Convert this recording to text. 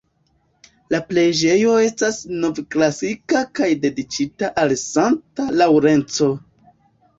La preĝejo estas novklasika kaj dediĉita al Santa Laŭrenco.